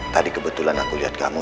tadi kebetulan aku lihat kamu